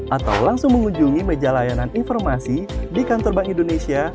atau langsung mengunjungi meja layanan informasi di kantor bank indonesia